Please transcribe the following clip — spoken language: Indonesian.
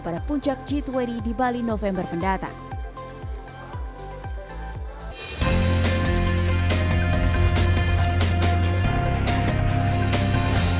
pada puncak g dua puluh di bali november mendatang